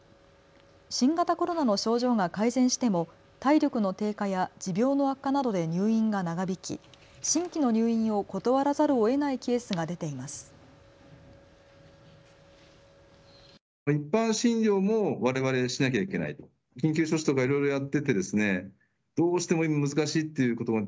新型コロナの症状が改善しても体力の低下や持病の悪化などで入院が長引き新規の入院を断らざるをえないケースが出ています。